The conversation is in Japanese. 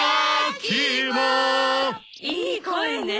いい声ね。